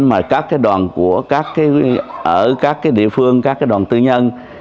mà các cái đoàn của các cái ở các cái địa phương các cái đoàn tư nhân